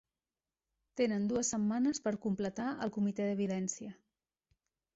Tenen dues setmanes per completar el Comitè d'Evidència.